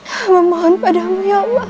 minta maaf padamu ya allah